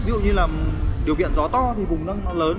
ví dụ như là điều kiện gió to thì vùng nó lớn